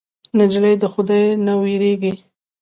نجلۍ له خدای نه وېرېږي.